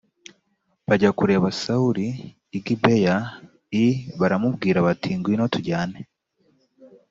bajya kureba sawuli i gibeya i baramubwira bati ngwino tujyane